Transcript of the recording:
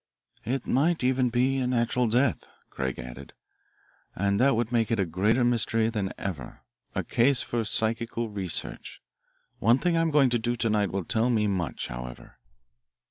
"It might even be a natural death," Craig added. "And that would make it a greater mystery than ever a case for psychical research. One thing that I am going to do to night will tell me much, however."